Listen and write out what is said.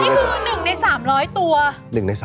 อันนี้คือ๑ใน๓๐๐ตัว